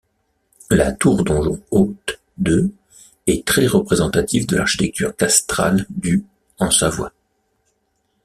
La tour-donjon haute de est très représentative de l'architecture castrale du en Savoie.